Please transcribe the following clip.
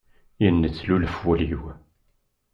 Yennezlulef wul-iw.